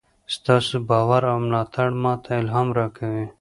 ستاسو باور او ملاتړ ماته الهام راکوي.